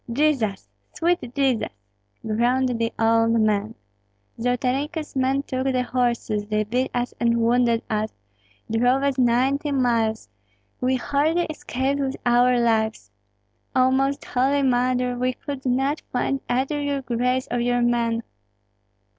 "Jesus! sweet Jesus!" groaned the old man. "Zolotarenko's men took the horses; they beat us and wounded us, drove us ninety miles; we hardly escaped with our lives. Oh, Most Holy Mother! we could not find either your grace or your men.